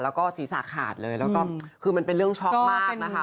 แล้วก็ศีรษะขาดเลยแล้วก็คือมันเป็นเรื่องช็อกมากนะคะ